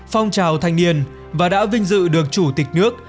phong trào thanh niên và đã vinh dự được chủ tịch nước